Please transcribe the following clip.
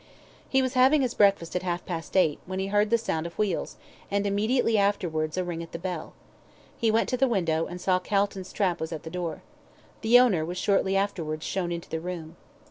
He was having his breakfast at half past eight, when he heard the sound of wheels, and immediately afterwards a ring at the bell. He went to the window, and saw Calton's trap was at the door. The owner was shortly afterwards shown into the room.